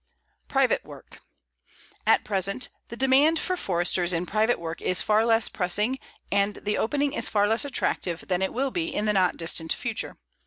PRIVATE WORK At present, the demand for Foresters in private work is far less pressing and the opening is far less attractive than it will be in the not distant future.